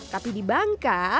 tapi di bangka